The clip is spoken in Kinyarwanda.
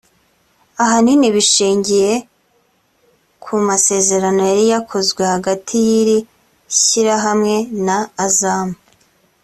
ahanini bishingiye ku masezerano yari yakozwe hagati y’iri shyirahamwe na Azam